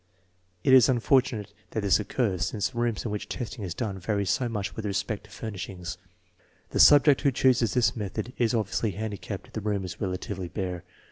It is unfortunate that this occurs, since rooms in which testing is done vary so much with respect to furnish ings. The subject who chooses this method is obviously handicapped if the room is relatively bare.